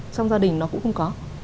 trong gia đình nó cũng không có